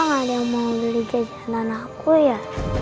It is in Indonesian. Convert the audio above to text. kenapa gak ada yang mau beli jajanan aku ya